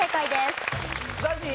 ＺＡＺＹ